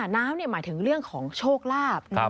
น้ำหมายถึงเรื่องของโชคลาภ